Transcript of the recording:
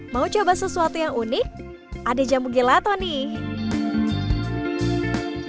mau coba sesuatu yang unik ada jamu gelato nih